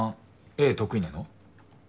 絵得意なの？